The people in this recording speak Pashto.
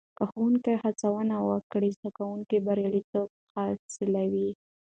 که ښوونکې هڅونه وکړي، زده کوونکي برياليتوب حاصلوي.